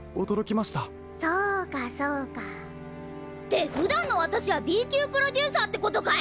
そうかそうか。ってふだんのわたしはＢきゅうプロデューサーってことかい？